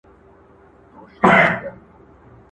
كله كله به ښكار پاته تر مابين سو!!